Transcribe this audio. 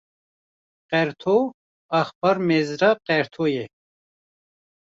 Qerto, Axpar Mezra Qerto ye